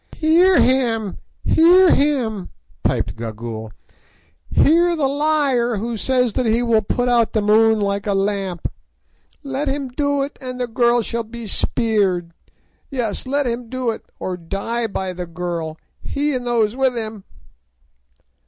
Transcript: "Hear him! hear him!" piped Gagool; "hear the liar who says that he will put out the moon like a lamp. Let him do it, and the girl shall be spared. Yes, let him do it, or die by the girl, he and those with him."